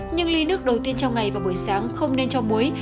nhưng ly nước đầu tiên trong ngày và buổi sáng không nên cho muối